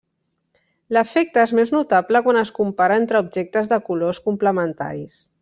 L'efecte és més notable quan es compara entre objectes de colors complementaris.